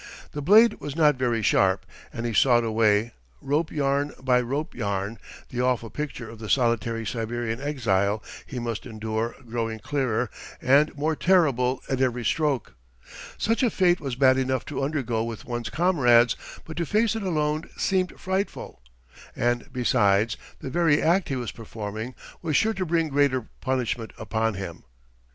The blade was not very sharp, and he sawed away, rope yarn by rope yarn, the awful picture of the solitary Siberian exile he must endure growing clearer and more terrible at every stroke. Such a fate was bad enough to undergo with one's comrades, but to face it alone seemed frightful. And besides, the very act he was performing was sure to bring greater punishment upon him.